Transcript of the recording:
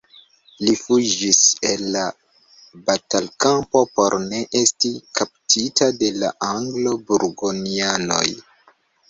Li fuĝis el la batalkampo por ne esti kaptita de la anglo-burgonjanoj.